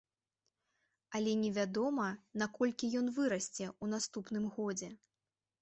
Але невядома, на колькі ён вырасце ў наступным годзе.